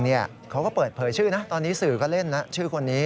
เขาก็เปิดเผยชื่อนะตอนนี้สื่อก็เล่นนะชื่อคนนี้